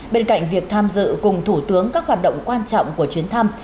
bên cạnh việc tham dự cùng thủ tướng các hoạt động quan trọng của chuyến thăm